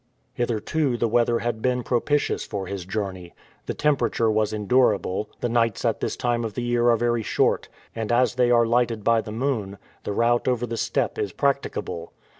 Hitherto the weather had been propitious for his journey. The temperature was endurable. The nights at this time of the year are very short, and as they are lighted by the moon, the route over the steppe is practicable.